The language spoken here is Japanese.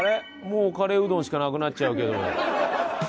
もうカレーうどんしかなくなっちゃうけど」